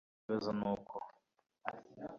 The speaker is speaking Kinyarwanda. uhora wiga ikibazo nuko